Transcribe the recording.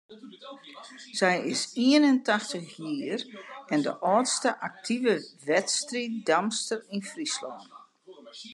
Sy is ien en tachtich jier en de âldste aktive wedstriiddamster yn Fryslân.